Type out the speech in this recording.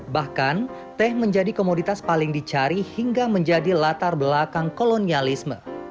bahkan teh menjadi komoditas paling dicari hingga menjadi latar belakang kolonialisme